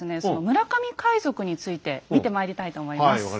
その村上海賊について見てまいりたいと思います。